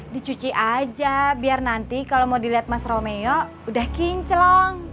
dicuci aja biar nanti kalau mau dilihat mas romeo udah kinclong